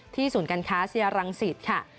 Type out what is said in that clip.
ศูนย์การค้าเซียรังสิตค่ะ